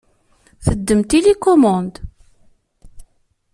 Teddem tilikumund.